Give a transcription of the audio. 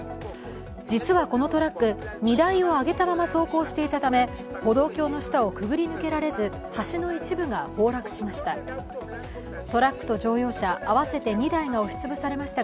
実はこのトラック、荷台を上げたまま走行していたため歩道橋の下をくぐり抜けられず、橋の一部が崩落しました。